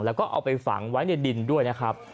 แล้วก็เอาไปฝังไว้ในดินด้วยนะครับ